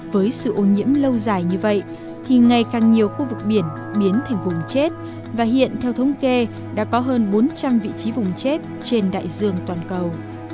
với sự ô nhiễm lâu dài như vậy thì ngày càng nhiều khu vực biển biến thành vùng chết và hiện theo thống kê đã có hơn bốn trăm linh vị trí vùng chết trên đại dương toàn cầu